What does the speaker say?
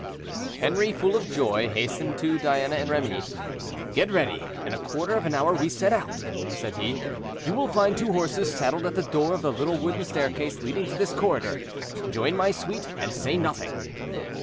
Henri, full of joy, hastened to Diana and Romy. "Get ready; in a quarter of an hour we set out," said he. "You will find two horses saddled at the door of the little wooden staircase leading to this corridor: join my suite and say nothing."